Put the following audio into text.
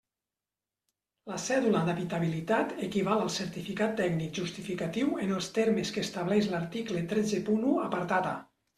La cèdula d'habitabilitat equival al certificat tècnic justificatiu en els termes que estableix l'article tretze punt u apartat a.